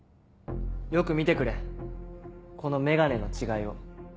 よく見てくれこの眼鏡の違いを。